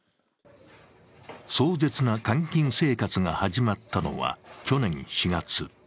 壮絶な監禁生活が始まったのは去年４月。